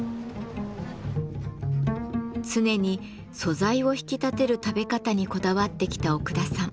常に素材を引き立てる食べ方にこだわってきた奥田さん。